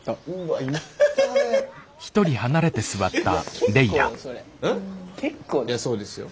いやそうですよ。